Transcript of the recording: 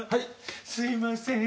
すいません。